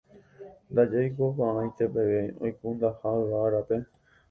ndaje oiko ko'ag̃aite peve oikundaha yvága rape